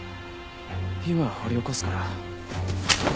今掘り起こすから。